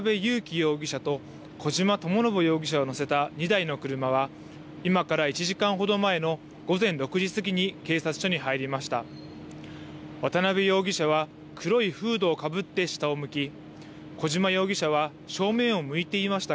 容疑者と小島智信容疑者を乗せた２台の車は、今から１時間ほど前の午前６時過ぎに警察署に入りました。